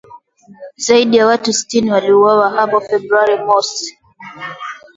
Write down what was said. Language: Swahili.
Zaidi ya watu sitini waliuawa hapo Februari mosi